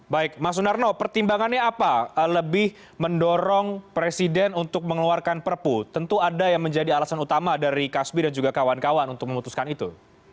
baik mas sunarno pertimbangannya apa lebih mendorong presiden untuk mengeluarkan perpu tentu ada yang menjadi alasan utama dari kasbi dan juga kawan kawan untuk memutuskan itu